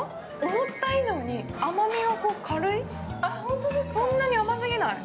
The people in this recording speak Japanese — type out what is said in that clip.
思った以上に甘みが軽い、そんなに甘すぎない。